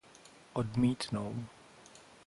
Odmítnou.